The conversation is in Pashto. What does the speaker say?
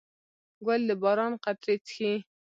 ګل د باران قطرې څښي.